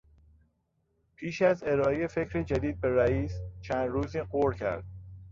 پیش از ارائهی فکر جدید به رییس، چند روزی غور کرد.